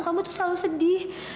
kamu tuh selalu sedih